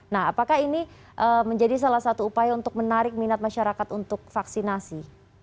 nah apakah ini menjadi salah satu upaya untuk menarik minat masyarakat untuk vaksinasi